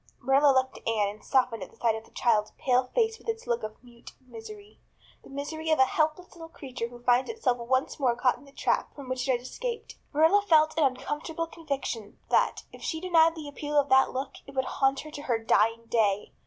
Marilla looked at Anne and softened at sight of the child's pale face with its look of mute misery the misery of a helpless little creature who finds itself once more caught in the trap from which it had escaped. Marilla felt an uncomfortable conviction that, if she denied the appeal of that look, it would haunt her to her dying day.